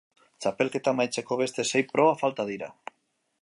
Txapelketa amaitzeko beste sei proba falta dira.